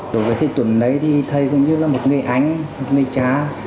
đối với thầy tuấn đấy thì thầy cũng như là một người anh một người cha